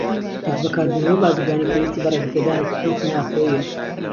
دەستبەکاربوونەوەی بازرگانی پێویستی بە ڕێگەپێدانی حکومەتی ناخۆییە.